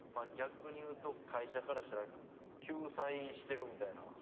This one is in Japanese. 逆に言うと会社からしたら救済してるみたいな。